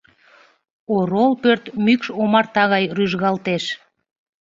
Орол пӧрт мӱкш омарта гай рӱжгалтеш.